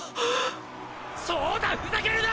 そうだふざけるな！